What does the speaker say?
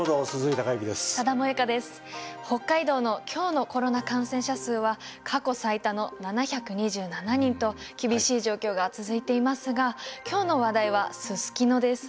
北海道の今日のコロナ感染者数は過去最多の７２７人と厳しい状況が続いていますが今日の話題はすすきのです。